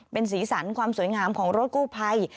เป็นสีสันความสวยงามของรถกู้ภัย